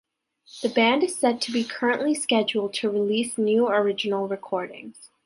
The band is said to be currently scheduled to release new original recordings.